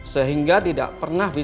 tentang siapa pembunuhan itu